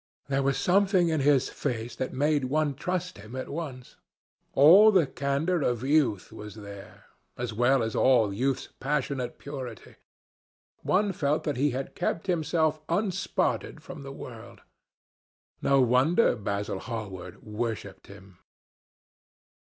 There was something in his face that made one trust him at once. All the candour of youth was there, as well as all youth's passionate purity. One felt that he had kept himself unspotted from the world. No wonder Basil Hallward worshipped him.